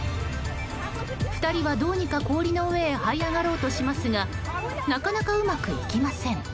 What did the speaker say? ２人はどうにか氷の上へはい上がろうとしますがなかなかうまくいきません。